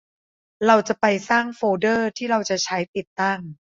เราจะไปสร้างโฟลเดอร์ที่เราจะใช้ติดตั้ง